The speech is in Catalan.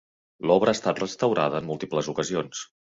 L'obra ha estat restaurada en múltiples ocasions.